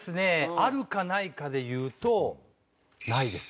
あるかないかで言うとないです。